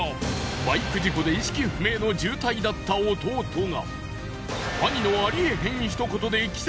バイク事故で意識不明の重体だった弟が。